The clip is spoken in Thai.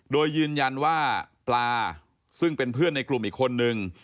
โดยยืนยันว่าปลาซึ่งเป็นเพื่อนในกลุ่มอีกคนนึง